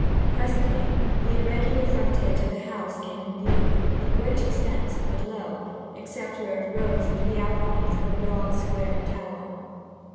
Presently the irregular frontage of the house came in view, of great extent, but low, except where it rose into the outlines of a broad square tower.